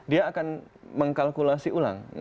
dia akan mengkalkulasi ulang